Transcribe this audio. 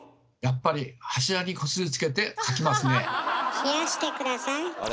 冷やして下さい。